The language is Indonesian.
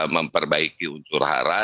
untuk memperbaiki untur hara